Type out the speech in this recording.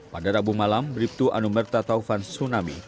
pada rabu malam bribtu anumerta taufan tsunami